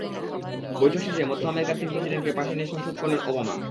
বৈঠক শেষে মধ্য আমেরিকার তিন প্রেসিডেন্টকে পাশে নিয়ে সংবাদ সম্মেলন করেন ওবামা।